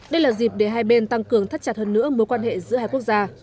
đây là dịp để hai bên tăng cường thắt chặt hơn nữa mối quan hệ giữa hai quốc gia